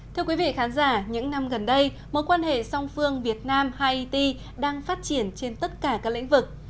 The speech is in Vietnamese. thưa quý vị khán giả những năm gần đây mối quan hệ song phương việt nam haiti đang phát triển trên tất cả các lĩnh vực